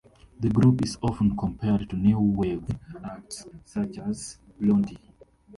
The group is often compared to New Wave acts such as Blondie.